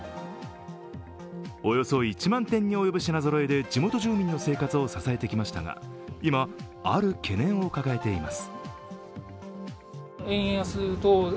およそ１万点に及ぶ品ぞろえで、地元住民の生活を支えてきましたが、今、ある懸念を抱えています。